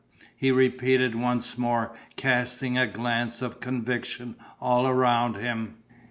he repeated once more, casting a glance of conviction all around him.